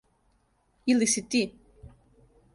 Или си ти?